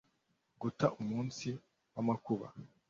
gut umunsi w amakuba